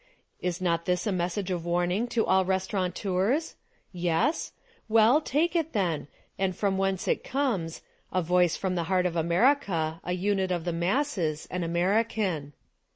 Is not this a message of warning to all restaura teurs? Yes? Well, take it then, and from whence it comes — a voice from the heart of America, a unit of the masses, an American.